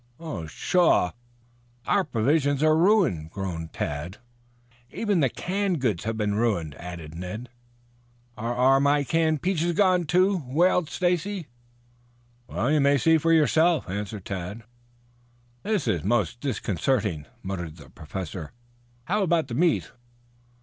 "Oh, pshaw! Our provisions are ruined," groaned Tad. "Even the canned goods have been ruined," added Ned. "Are are my canned peaches gone?" wailed Stacy. "You may see for yourself," answered Tad. "This is most disconcerting," muttered the Professor. "How about the meat?"